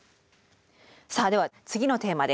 さあでは次のテーマです。